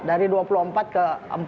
dari dua puluh empat ke empat puluh